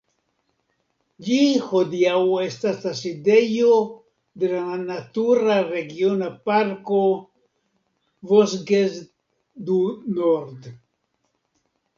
Ĝi hodiaŭ estas la sidejo de la natura regiona parko "Vosges du Nord".